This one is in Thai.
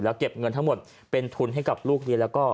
เก็บเงินทั้งหมดเป็นทุนให้กับลูกเรียนแล้วก็